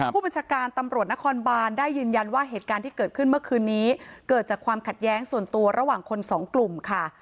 ผู้บัญชาการตำรวจนครบานได้ยืนยันว่าเหตุการณ์ที่เกิดขึ้นเมื่อคืนนี้เกิดจากความขัดแย้งส่วนตัวระหว่างคนสองกลุ่มค่ะ